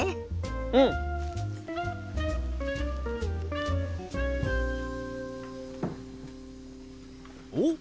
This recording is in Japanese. うん！おっ！